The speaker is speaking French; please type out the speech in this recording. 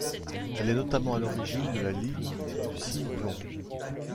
Elle est notamment à l'origine de la Ligne du Simplon.